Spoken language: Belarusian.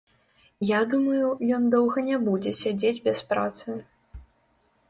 Я думаю, ён доўга не будзе сядзець без працы.